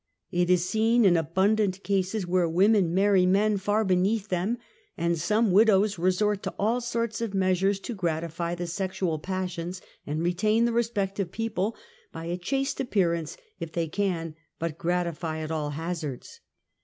It is seen in abundant cases where women marry men ^ far beneath them, and some widows resort to allN sorts of measures to gratify the sexual passions, and ) retain the respect of people by a chaste appearance / if they can but gratify at all hazards.